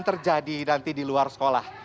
tidak di luar sekolah